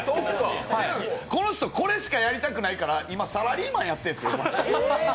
この人これしかやりたくないから今サラリーマンやってるんですよ。